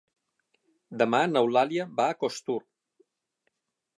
Demà n'Eulàlia va a Costur.